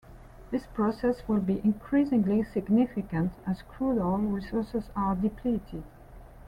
This process will be increasingly significant as crude oil resources are depleted.